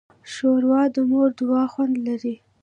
ښوروا د مور د دعا خوند لري.